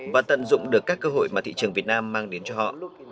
và tận dụng được các cơ hội mà thị trường việt nam mang đến cho họ